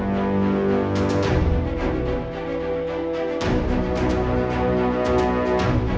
kalau ona katapa tau gak